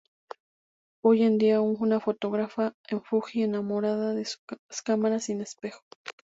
Hoy en día es una fotógrafa de Fuji enamorada de sua cámaras sin espejo.